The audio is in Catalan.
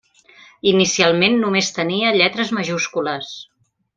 Inicialment només tenia lletres majúscules.